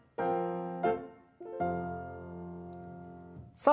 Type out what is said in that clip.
さあ